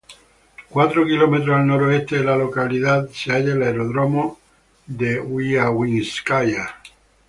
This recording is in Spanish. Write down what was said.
Cuatro kilómetros al noroeste de la localidad se halla el aeródromo de Guiaguínskaya.